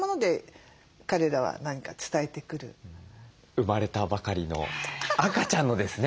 生まれたばかりの赤ちゃんのですね